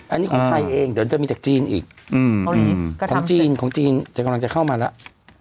อันนี้ของไทยเองเดี๋ยวจะมีจากจีนอีกของจีนของจีนจะกำลังจะเข้ามาแล้ว